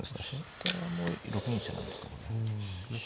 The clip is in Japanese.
下はもう６二飛車なんですか？